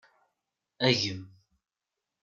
Agem.